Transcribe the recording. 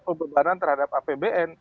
kebebanan terhadap apbn